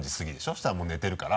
そしたらもう寝てるから。